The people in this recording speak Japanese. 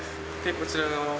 こちら側が。